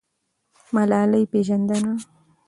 ملالۍ پیژنه.